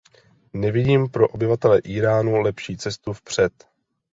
Nevidím pro obyvatele Íránu lepší cestu vpřed.